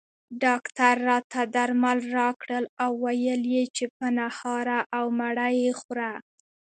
ډاکټر راته درمل راکړل او ویل یې چې په نهاره او مړه یې خوره